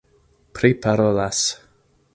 priparolas